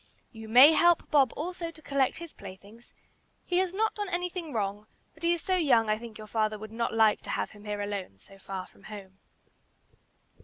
You may help Bob also to collect his playthings; he has not done anything wrong, but he is so young I think your father would not like to have him here alone so far from home."